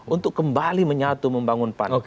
untuk kembali menyatu membangun pan